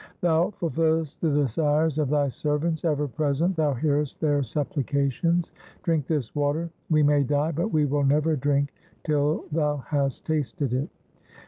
Thou fulfillest the desires of thy servants. Ever present thou hearest their supplications. Drink this water. We may die, but we will never drink till thou hast tasted it.'